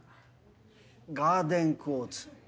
ガーデンクォーツ。